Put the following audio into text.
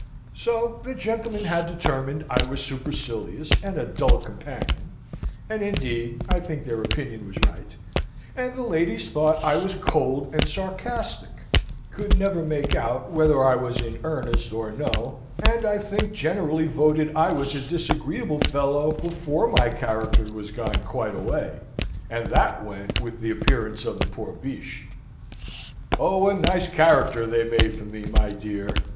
"So the gentlemen had determined I was supercilious, and a dull companion (and, indeed, I think their opinion was right), and the ladies thought I was cold and sarcastic, could never make out whether I was in earnest or no, and, I think, generally voted I was a disagreeable fellow, before my character was gone quite away; and that went with the appearance of the poor Biche. Oh, a nice character they made for me, my dear!"